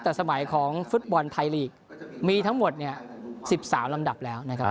แต่สมัยของฟุตบอลไทยลีกมีทั้งหมดเนี่ย๑๓ลำดับแล้วนะครับ